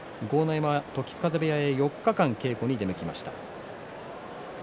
山は時津風部屋に４日間稽古に出向きました。